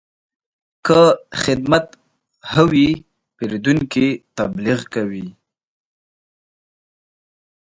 که خدمت ښه وي، پیرودونکی تبلیغ کوي.